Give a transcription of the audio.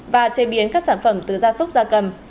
và chế biến các sản phẩm từ da súc da cầm